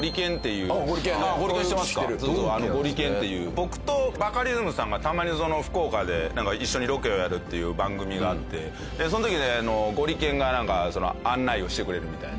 僕とバカリズムさんがたまに福岡で一緒にロケをやるっていう番組があってその時ゴリけんが案内をしてくれるみたいな。